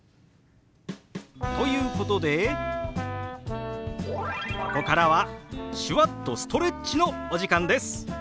ということでここからは手話っとストレッチのお時間です。